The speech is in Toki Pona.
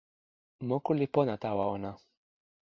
moku li pona tawa ona.